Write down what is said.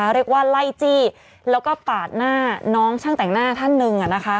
เรียกว่าไล่จี้แล้วก็ปาดหน้าน้องช่างแต่งหน้าท่านหนึ่ง